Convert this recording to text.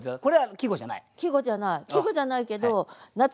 季語じゃない。